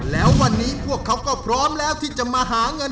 แล้ววันนี้พวกเขาก็พร้อมแล้วที่จะมาหาเงิน